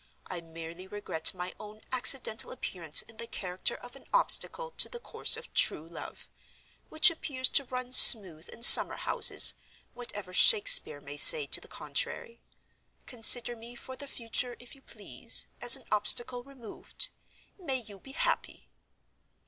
I merely regret my own accidental appearance in the character of an Obstacle to the course of true love—which appears to run smooth in summer houses, whatever Shakespeare may say to the contrary. Consider me for the future, if you please, as an Obstacle removed. May you be happy!"